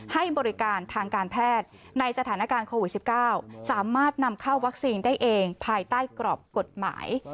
ให้บริการทางการแพทย์ในสถานการณ์โควิด๑๙สามารถนำเข้าวัคซีนได้เองภายใต้กรอบกฎหมาย